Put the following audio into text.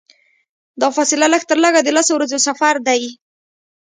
دا فاصله لږترلږه د لسو ورځو سفر دی.